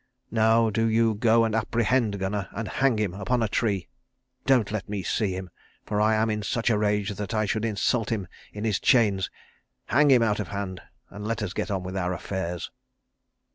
Now do you go and apprehend Gunnar, and hang him up on a tree. Don't let me see him, for I am in such a rage that I should insult him in his chains. Hang him out of hand, and let us get on with our affairs."